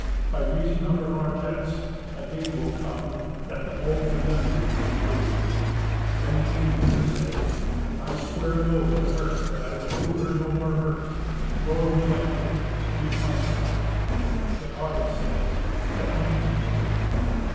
By reason of her largess, a day will come that the bold Burgundians may rue." Then King Gunther said, "I sware an oath to her that I would do her no more hurt, nor will I do it. She is my sister." But Hagen said, "Let me be the guilty one."